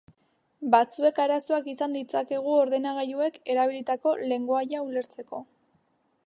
Batzuek arazoak izan ditzakegu ordenagailuek erabilitako lengoaia ulertzeko.